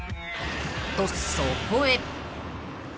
［とそこへ］